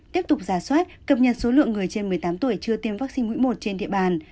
tiếp tục giả soát cập nhật số lượng người trên một mươi tám tuổi chưa tiêm vaccine mũi một trên địa bàn